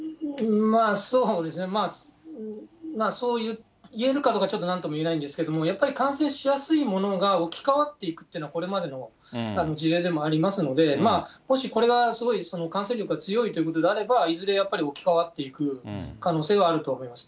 まあ、そうですね、そういう言えるかどうかちょっとなんとも言えないんですけれども、やっぱり感染しやすいものが置き換わっていくっていうのは、これまでの事例でもありますので、もし、これがすごい感染力が強いということであれば、いずれやっぱり置き換わっていく可能性はあると思います。